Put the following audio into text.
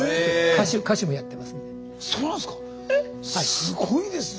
すごいですね。